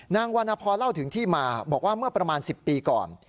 นางวรรณพรเล่าถึงที่มาบอกว่าเมื่อประมาณ๑๐ปีก่อน